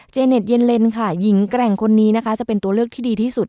เน็ตเย็นเลนค่ะหญิงแกร่งคนนี้นะคะจะเป็นตัวเลือกที่ดีที่สุด